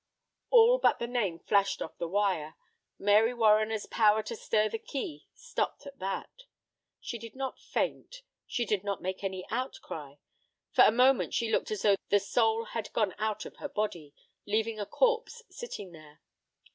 All but the name flashed off on the wire. Mary Warriner's power to stir the key stopped at that. She did not faint. She did not make any outcry. For a moment she looked as though the soul had gone out of her body, leaving a corpse sitting there.